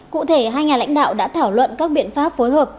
cụ thể hai nhà lãnh đạo đã thảo luận các biện pháp phối hợp